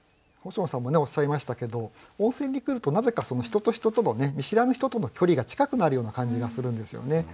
星野さんもおっしゃいましたけど温泉に来るとなぜか人と人とのね見知らぬ人との距離が近くなるような感じがするんですよね。